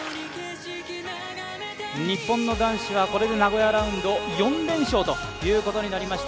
日本の男子はこれで名古屋ラウンド４連勝ということになりました。